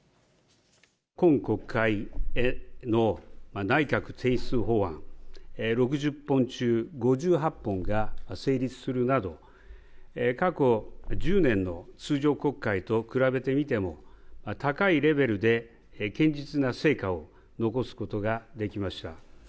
今国会への内閣提出法案、６０本中５８本が成立するなど、過去１０年の通常国会と比べてみても、高いレベルで、堅実な成果を残すことができました。